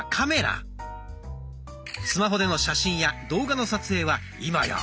スマホでの写真や動画の撮影は今や当たり前。